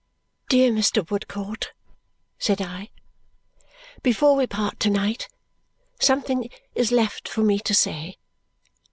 "Dear Mr. Woodcourt," said I, "before we part to night, something is left for me to say.